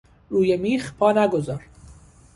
روی میخ پا نگذار!